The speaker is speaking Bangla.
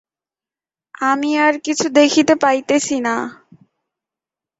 আমি আর কিছু দেখিতে পাইতেছি না।